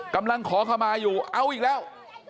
กำลังขอขมาอยู่เอาอีกแล้ว